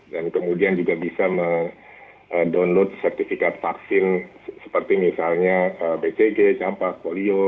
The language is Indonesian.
dan kemudian juga bisa meng download sertifikat vaksin seperti misalnya bcg campas polio